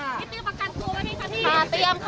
พี่เตรียมประกันตัวไหมคะพี่